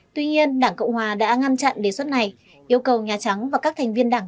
tuy nhiên đảng cộng hòa đã ngăn chặn đề xuất này yêu cầu nhà trắng và các thành viên đảng